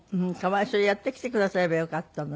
それやってきてくださればよかったのに。